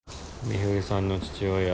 美冬さんの父親